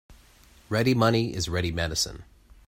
Ready money is ready medicine.